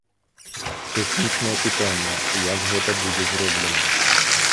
Тэхнічнае пытанне, як гэта будзе зроблена.